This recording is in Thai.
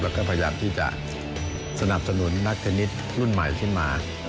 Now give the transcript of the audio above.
แล้วก็พยายามที่จะสนับสนุนนักเทนนิสรุ่นใหม่ขึ้นมา